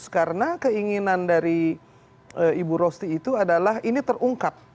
karena keinginan dari ibu rosti itu adalah ini terungkap